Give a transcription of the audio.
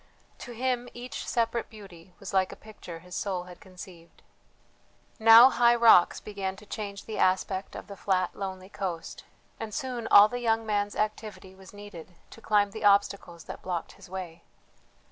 To him each separate beauty was like a picture his soul had conceived. Now high rocks began to change the aspect of the flat lonely coast, and soon all the young man's activity was needed to climb the obstacles that blocked his way.